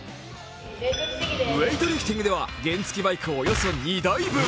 ウエイトリフティングでは原付きバイクおよそ２台分。